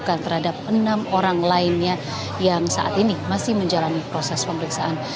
melakukan terhadap enam orang lainnya yang saat ini masih menjalani proses pemeriksaan